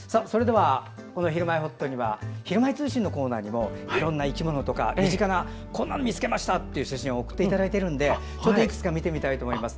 「ひるまえほっと」には「ひるまえ通信」のコーナーにもいろんな生き物とか身近なこんなの見つけましたという写真を送っていただいてるのでいくつか見てみたいと思います。